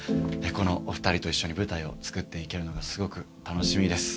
このお２人と一緒に舞台を作っていけるのがすごく楽しみです。